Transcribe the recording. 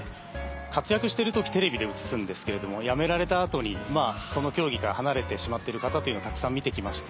活躍してる時テレビで映すんですけれども辞められた後にその競技から離れてしまってる方というのをたくさん見てきまして。